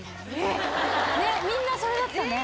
みんなそれだったね。